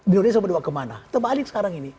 di dunia ini sama dua kemana terbalik sekarang ini